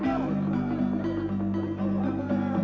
kau lihat apa sih